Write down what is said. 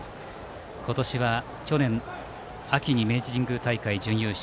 今年は去年秋に明治神宮大会準優勝。